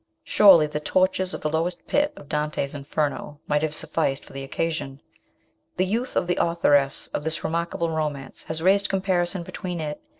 Surely the tortures of the lowest pit of Dante's Inferno might have sufficed for the occasion. The youth of the authoress of this remarkable romance has raised comparison between it 110 MRS.